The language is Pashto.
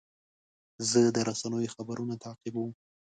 زه د رسنیو خبرونه تعقیبوم.